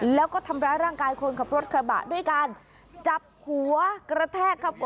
แล้วก็ทำร้ายร่างกายคนขับรถกระบะด้วยการจับหัวกระแทกครับ